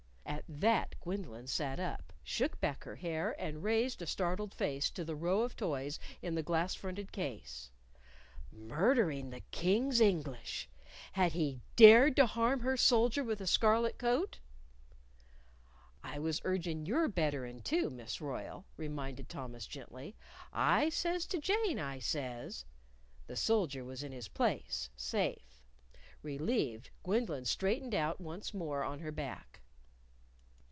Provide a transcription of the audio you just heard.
At that Gwendolyn sat up, shook back her hair, and raised a startled face to the row of toys in the glass fronted case. Murdering the King's English! Had he dared to harm her soldier with the scarlet coat? "I was urgin' your betterin', too, Miss Royle," reminded Thomas, gently. "I says to Jane, I says " The soldier was in his place, safe. Relieved, Gwendolyn straightened out once more on her back.